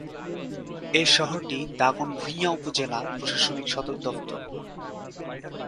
এ শহরটি দাগনভূঞা উপজেলা প্রশাসনিক সদর দফতর।